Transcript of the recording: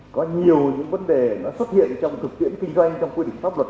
có nhiều những vấn đề nó xuất hiện trong thực tiễn kinh doanh trong quy định pháp luật